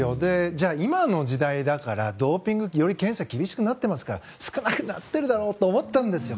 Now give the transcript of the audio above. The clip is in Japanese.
じゃあ、今の時代だからドーピングより検査厳しくなってますから少なくなっているだろうと思ったんですよ。